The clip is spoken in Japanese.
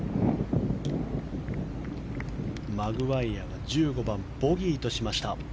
マグワイヤ１５番、ボギーとしました。